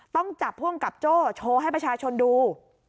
ต้องจับผู้กำกับโจ้โชว์ให้ประชาชนดู